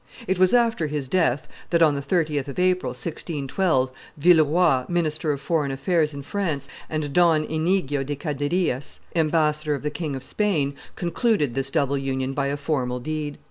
It was after his death that, on the 30th of April, 1612, Villeroi, minister of foreign affairs in France, and Don Inigo de Caderiias, ambassador of the King of Spain, concluded this double union by a formal deed.